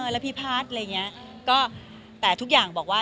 ละพีพลาดเหมือนไง